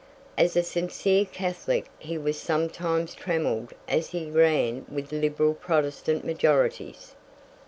As a sincere Catholic he was sometimes trammelled as he ran with liberal Protestant majorities.